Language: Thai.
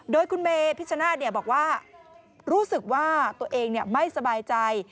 โดยคุณเมพิชนาธิ์บอกว่ารู้สึกว่าตัวเองไม่สบายใจ